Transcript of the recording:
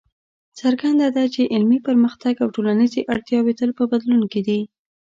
څرګنده ده چې علمي پرمختګ او ټولنیزې اړتیاوې تل په بدلون کې دي.